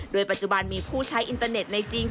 โดยปัจจุบันมีผู้ใช้อินเตอร์เน็ตในจริง